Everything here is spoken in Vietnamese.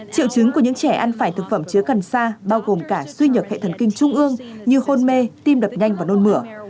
triệu chứng của những trẻ ăn phải thực phẩm chứa cần xa bao gồm cả suy nhược hệ thần kinh trung ương như hôn mê tim đập nhanh và nôn mửa